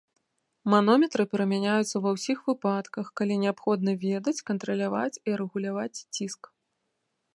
Манометры прымяняюцца ва ўсіх выпадках, калі неабходна ведаць, кантраляваць і рэгуляваць ціск.